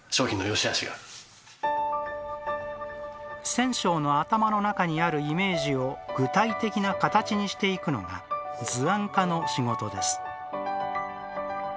染匠の頭の中にあるイメージを具体的な形にしていくのが図案家の仕事です。